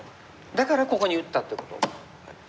だからここに打ったってこと？